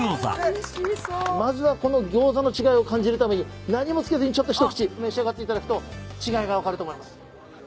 まずはこのギョーザの違いを感じるために何も付けずにちょっと一口召し上がっていただくと違いが分かると思います。